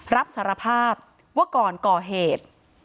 รับสารภาพว่าก่อนก่อเหตุ